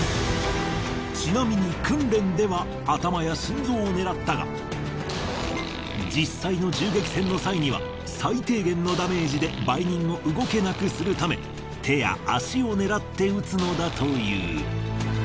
ちなみに訓練では頭や心臓を狙ったが実際の銃撃戦の際には最低限のダメージで売人を動けなくするため手や足を狙って撃つのだという。